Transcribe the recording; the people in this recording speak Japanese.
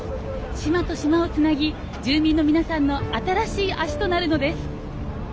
島と島をつなぎ住民の皆さんの新しい足となるのです。